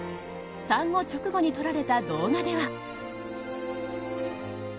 産後直後に撮られた動画では。